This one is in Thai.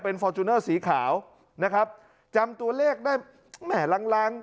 ฟอร์จูเนอร์สีขาวนะครับจำตัวเลขได้แหม่ล้างล้าง